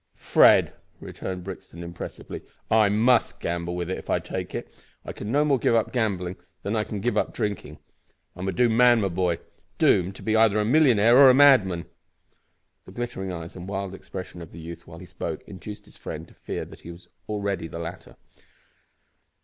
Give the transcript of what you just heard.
"Fred," returned Brixton, impressively, "I must gamble with it if I take it. I can no more give up gambling than I can give up drinking. I'm a doomed man, my boy; doomed to be either a millionaire or a madman!" The glittering eyes and wild expression of the youth while he spoke induced his friend to fear that he was already the latter.